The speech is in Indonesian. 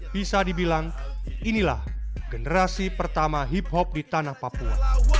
bisa dibilang inilah generasi pertama hip hop di tanah papua